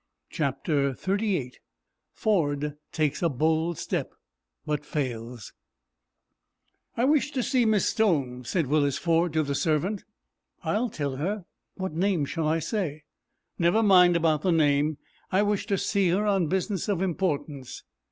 CHAPTER XXXVIII FORD TAKES A BOLD STEP, BUT FAILS "I wish to see Miss Stone," said Willis Ford, to the servant. "I'll tell her. What name shall I say?" "Never mind about the name. I wish to see her on business of importance."